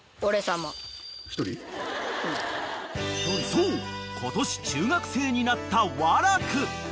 ［そう今年中学生になった和楽］